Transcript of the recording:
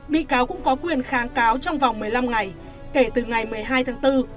bị cáo cũng có quyền kháng cáo trong vòng một mươi năm ngày kể từ ngày một mươi hai tháng bốn